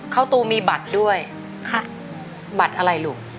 เข้าตูมีบัตรด้วยบัตรอะไรลูก